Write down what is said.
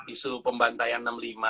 isu pembantaian enam puluh lima